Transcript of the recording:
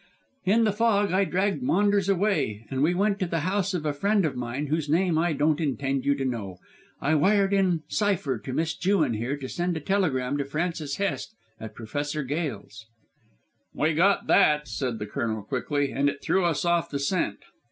In the fog I dragged Maunders away, and we went to the house of a friend of mine whose name I don't intend you to know. I wired in cypher to Miss Jewin here to send a telegram to Francis Hest at Professor Gail's." "We got that," said the Colonel quickly, "and it threw us off the scent."